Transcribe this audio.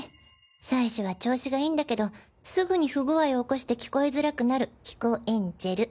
最初は調子がいいんだけどすぐに不具合をおこして聞こえづらくなる「聞こエンジェル」。